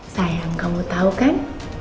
sayang kamu tau kan